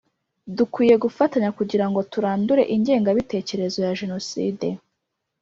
Dukwiye gufatanya kugira turandure ingengabitekerezo ya jenoside